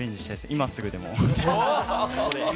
今すぐでも。